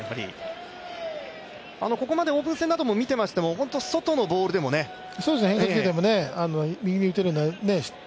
ここまでオープン戦などを見てますと、外のボールでも変化球でも右に打てるような。